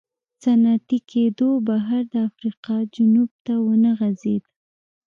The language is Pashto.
صنعتي کېدو بهیر د افریقا جنوب ته ونه غځېد.